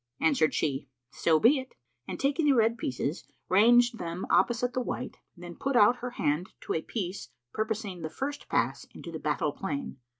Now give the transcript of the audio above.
Answered she, "So be it;" and, taking the red pieces, ranged them opposite the white, then put out her hand to a piece purposing the first pass into the battle plain.